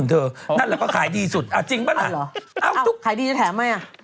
นั่นแหละก็ขายดีสุดจริงป่ะล่ะเอาทุกอ้าวขายดีจะแถมไหมล่ะ